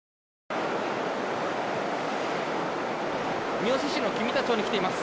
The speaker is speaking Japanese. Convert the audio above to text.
三次市の君田町に来ています。